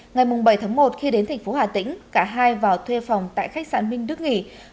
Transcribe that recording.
ngày bảy tháng một khi đến thành phố hà tĩnh cả hai vào thuê phòng tại khách sạn minh đức nghỉ